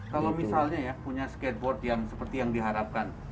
kalau misalnya ya punya skateboard yang seperti yang diharapkan